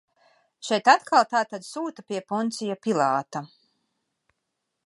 Šeit atkal tātad sūta pie Poncija Pilāta.